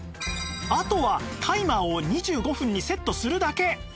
あとはタイマーを２５分にセットするだけ